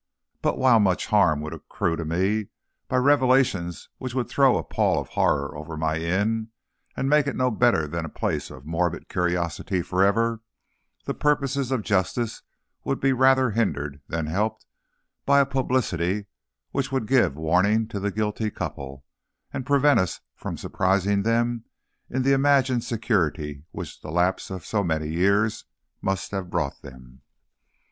But while much harm would accrue to me by revelations which would throw a pall of horror over my inn, and make it no better than a place of morbid curiosity forever, the purposes of justice would be rather hindered than helped by a publicity which would give warning to the guilty couple, and prevent us from surprising them in the imagined security which the lapse of so many years must have brought them.